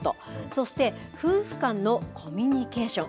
そして、夫婦間のコミュニケーション。